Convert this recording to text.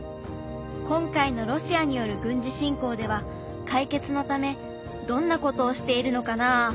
今回のロシアによる軍事侵攻では解決のためどんなことをしているのかなあ？